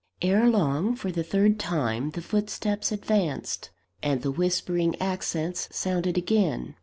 Ere long, for the third time, the footsteps advanced, and the whispering accents sounded again.